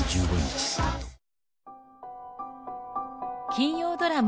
金曜ドラマ